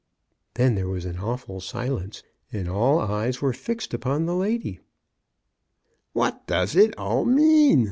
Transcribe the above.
Then there was an awful silence, and all eyes were fixed upon the lady. '*What does it all mean?"